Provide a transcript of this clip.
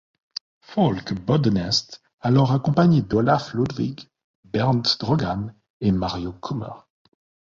Falk Bodenest alors accompagné d'Olaf Ludwig, Bernd Drogan et Mario Kummer.